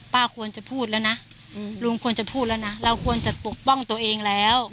ป้าควรจะพูดแล้วนะลุงควรจะพูดแล้วนะเราควรจะปกป้องตัวเองแล้ว